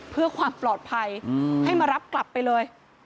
เพื่อความปลอดภัยให้มารับกลับไปเลย